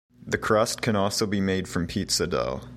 The crust can also be made from pizza dough.